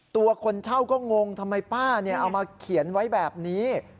คนเช่าก็งงทำไมป้าเอามาเขียนไว้แบบนี้